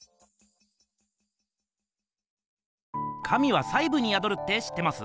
「神は細ぶにやどる」って知ってます？